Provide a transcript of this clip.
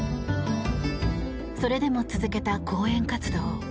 それでも続けた講演活動。